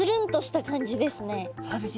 そうですよね。